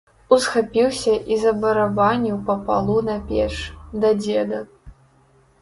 Усхапіўся і забарабаніў па палу на печ, да дзеда.